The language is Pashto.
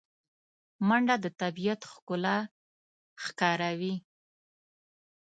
منډه د طبیعت ښکلا ښکاروي